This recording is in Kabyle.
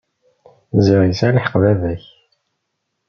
Ziɣ yesɛa lḥeqq baba-k.